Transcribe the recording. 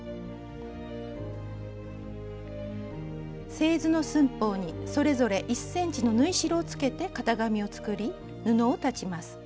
製図の寸法にそれぞれ１ｃｍの縫い代をつけて型紙を作り布を裁ちます。